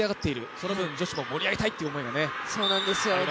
その分、女子も盛り上げたいという思いがありますからね。